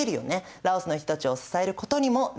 ラオスの人たちを支えることにもなるよね。